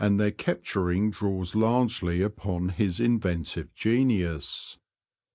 their capturing draws largely upon his inventive genius.